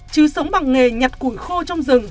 trứ sống bằng nghề nhặt củi khô trong rừng